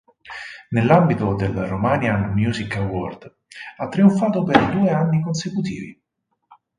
Nell'ambito del Romanian Music Award ha trionfato per due anni consecutivi.